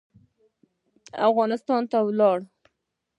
افغانستان ته ولاړ.